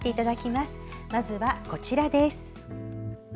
まずはこちらです。